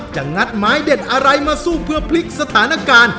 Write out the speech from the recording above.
งัดไม้เด็ดอะไรมาสู้เพื่อพลิกสถานการณ์